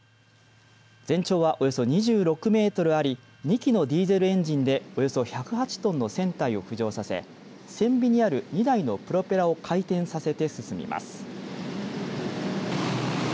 全長は、およそ２６メートルあり２基のディーゼルエンジンでおよそ１０８トンの船体を浮上させ船尾にある２台のプロペラを回転させて進みます。